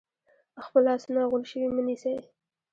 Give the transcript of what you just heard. خپل لاسونه غونډ شوي مه نیسئ،